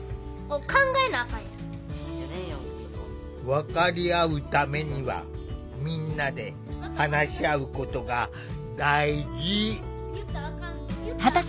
分かり合うためにはみんなで話し合うことが大事。